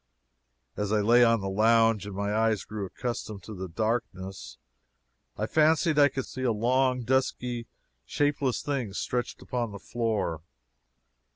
As I lay on the lounge and my eyes grew accustomed to the darkness, I fancied I could see a long, dusky, shapeless thing stretched upon the floor.